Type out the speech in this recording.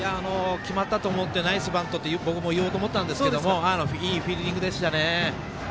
決まったと思ってナイスバントと言おうと思ったんですけどいいフィールディングでしたね。